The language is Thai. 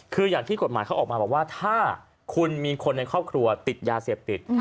คืออย่างที่กฎหมายเขาออกมาบอกว่าถ้าคุณมีคนในครอบครัวติดยาเสพติด